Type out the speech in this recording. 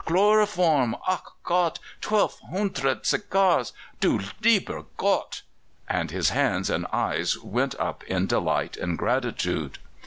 Chloroform ach Gott! Twelve hundred cigars du lieber Gott!" and his hands and eyes went up in delight and gratitude.